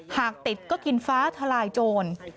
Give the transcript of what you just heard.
หากติดก็กินฟ้าทลายโจร